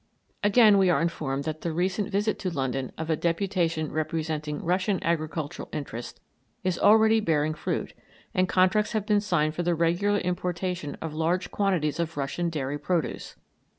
Again, we are informed that the recent visit to London of a deputation representing Russian agricultural interests is already bearing fruit, and contracts have been signed for the regular importation of large quantities of Russian dairy produce.